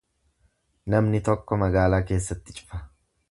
Namni tokko magaalaa keessatti cufa.